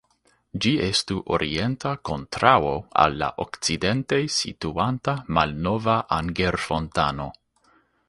Ĝi estu orienta kontraŭo al la okcidente situanta Malnova Anger-fontano.